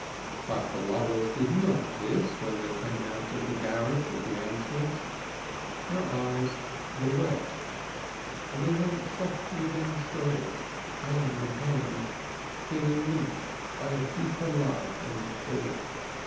But the lovers did not kiss when they came out of the garret of the Ansells; their eyes were wet, and they went softly downstairs hand in hand, feeling linked by a deeper love than before.